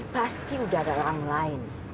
pasti udah ada orang lain